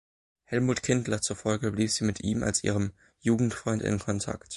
Helmut Kindler zufolge blieb sie mit ihm als ihrem Jugendfreund in Kontakt.